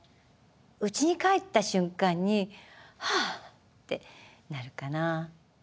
うちに帰った瞬間にはぁってなるかな。